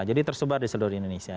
jadi tersebar di seluruh indonesia